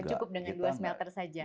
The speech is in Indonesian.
cukup dengan dua smelter saja